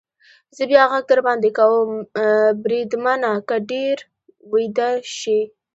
زه بیا غږ در باندې کوم، بریدمنه، که ډېر ویده شې.